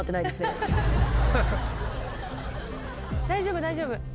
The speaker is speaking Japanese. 大丈夫大丈夫。